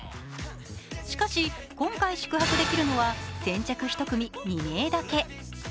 しかし、今回宿泊できるのは先着１組２名だけ。